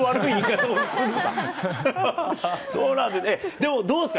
どうなんですか？